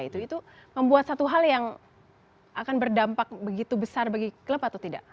itu membuat satu hal yang akan berdampak begitu besar bagi klub atau tidak